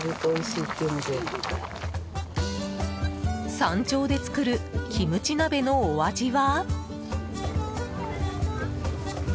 山頂で作るキムチ鍋のお味は？